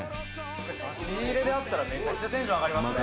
「差し入れであったらめちゃくちゃテンション上がりますね」